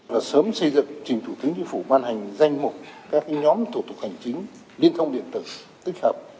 và sớm xây dựng trình thủ tướng chính phủ ban hành danh mục các nhóm thủ tục hành chính liên thông điện tử tích hợp